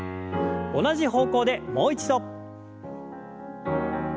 同じ方向でもう一度。